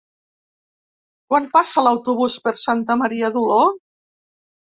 Quan passa l'autobús per Santa Maria d'Oló?